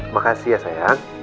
makasih ya sayang